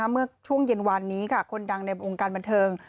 เมื่อช่วงเย็นวานนี้คนดังในวงการบันเทิง